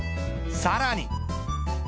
さらに。